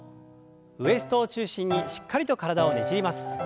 ウエストを中心にしっかりと体をねじります。